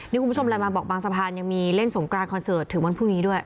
นี่คุณผู้ชมไลน์มาบอกบางสะพานยังมีเล่นสงกรานคอนเสิร์ตถึงวันพรุ่งนี้ด้วย